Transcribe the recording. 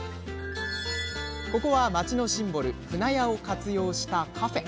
ここは町のシンボル舟屋を活用したカフェ。